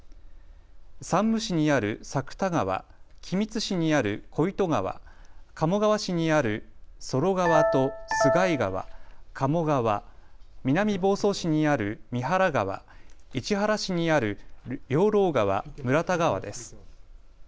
山武市にある作田川、君津市にある小糸川、鴨川市にある曽呂川と洲貝川、加茂川、南房総市にある三原川、市原市にある養老川、村田川です。